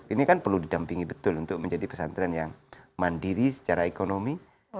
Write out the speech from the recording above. satu ratus lima puluh ini kan perlu didampingi betul untuk menjadi pesantren yang mandiri secara ekonomi